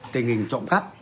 tình hình trộm cắp